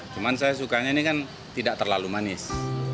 cuma saya sukanya ini kan tidak terlalu manis